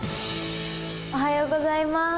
おはようございます。